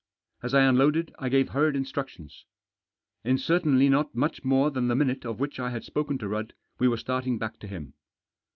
As I unloaded I gave hurried instructions. In cer tainly not much more that the minute of which I had spoken to Rudd we were starting back to him.